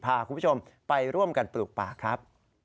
พาคุณผู้ชมไปร่วมกันปลูกป่าครับ